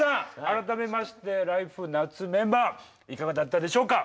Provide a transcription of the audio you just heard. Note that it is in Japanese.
改めまして「ＬＩＦＥ！夏」メンバーいかがだったでしょうか？